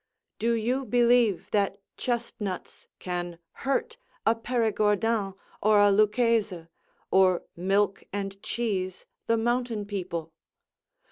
Do you believe that chestnuts can hurt a Perigordin or a Lucchese, or milk and cheese the mountain people?